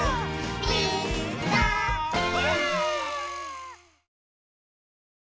「ピーカーブ！」